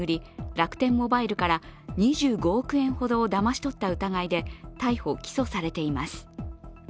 楽天モバイルから２５億円ほどをだまし取った疑いで逮捕・起訴されています。